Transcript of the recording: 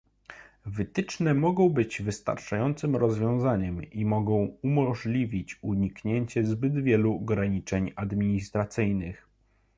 Wytyczne mogą być wystarczającym rozwiązaniem i mogą umożliwić uniknięcie zbyt wielu ograniczeń administracyjnych